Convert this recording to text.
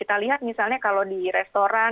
kita lihat misalnya kalau di restoran